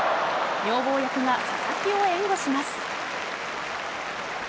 女房役が佐々木を援護します。